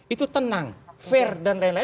itu tenang fair dan lain lain